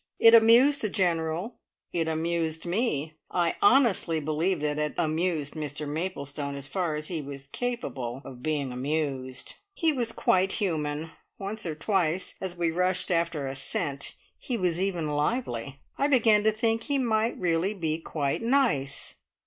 It amused the General; it amused me; I honestly believe that it amused Mr Maplestone, as far as he was capable of being amused. He was quite human; once or twice, as we rushed after a "scent," he was even lively. I began to think he might really be quite nice.